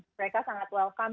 saya sempat welcome